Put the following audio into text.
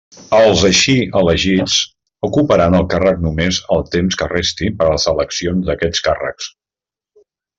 Els així elegits ocuparan el càrrec només el temps que resti per a les eleccions d'aquests càrrecs.